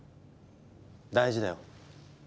大事だよ。